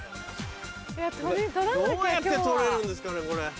どうやって撮れるんですかね？